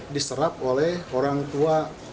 diserap oleh orang tua